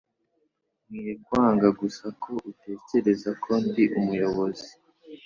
Nkwiye kwanga gusa ko utekereza ko ndi umuyobozi!